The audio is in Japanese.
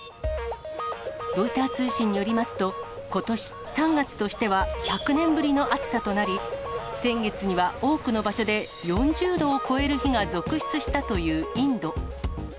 ロイター通信によりますと、ことし３月としては１００年ぶりの暑さとなり、先月には多くの場所で４０度を超える日が続出したというインド。